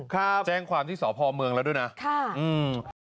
ครับแจ้งความที่สพเมืองแล้วด้วยนะค่ะอืม